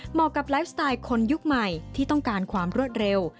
กับไลฟ์สไตล์คนยุคใหม่ที่ต้องการความรวดเร็ว